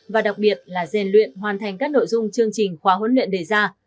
và đặc biệt là rèn luyện hoàn thành các nội dung chương trình khóa huấn luyện đề ra